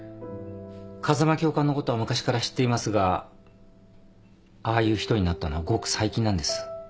風間教官のことは昔から知っていますがああいう人になったのはごく最近なんです。